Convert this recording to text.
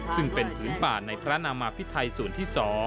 ซึ่งเป็นผืนป่าในพระนามาพิไทยส่วนที่๒